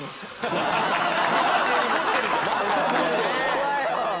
怖いよ！